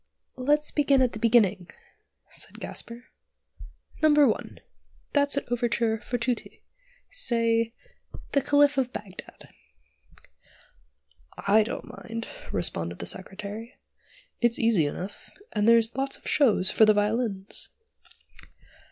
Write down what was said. "Let's begin at the beginning," said Gasper. "No. 1: that's an overture for tutti; say, 'The Caliph of Bagdad.'" "I don't mind," responded the Secretary. "It's easy enough, and there's lots of show for the violins."